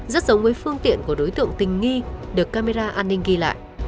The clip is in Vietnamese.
rất giống với phương tiện của đối tượng tình nghi được camera an ninh ghi lại